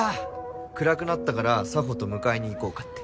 暗くなったから佐帆と迎えにいこうかって。